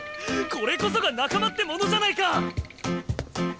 これこそが仲間ってものじゃないか！